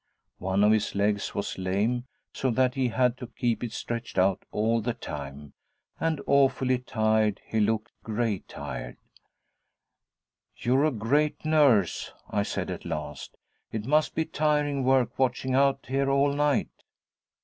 One of his legs was lame, so that he had to keep it stretched out all the time; and awfully tired he looked, gray tired. 'You're a great nurse!' I said at last. 'It must be tiring work, watching out here all night.'